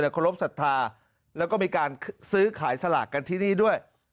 เคารพสัทธาแล้วก็มีการซื้อขายสลากกันที่นี่ด้วย